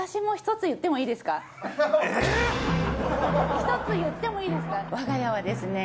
１つ言ってもいいですか？